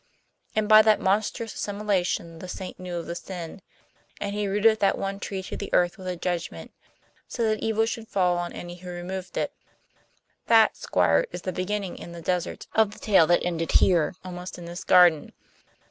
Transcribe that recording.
And by that monstrous assimilation the saint knew of the sin, and he rooted that one tree to the earth with a judgment, so that evil should fall on any who removed it again. That, Squire, is the beginning in the deserts of the tale that ended here, almost in this garden."